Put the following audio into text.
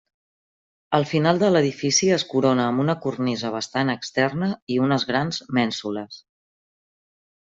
El final de l'edifici es corona amb una cornisa bastant externa i unes grans mènsules.